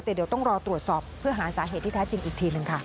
แต่เดี๋ยวต้องรอตรวจสอบเพื่อหาสาเหตุที่แท้จริงอีกทีหนึ่งค่ะ